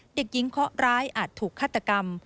เด็กหญิงเคาะร้ายอาจถูกฆาตกรรม